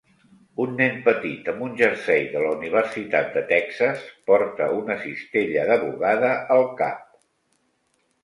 Un nen petit amb un jersei de la Universitat de Texas porta una cistella de bogada al cap.